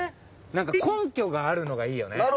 なんか根拠があるのがいいよね。